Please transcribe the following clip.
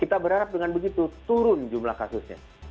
kita berharap dengan begitu turun jumlah kasusnya